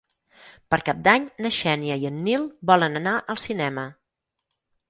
Per Cap d'Any na Xènia i en Nil volen anar al cinema.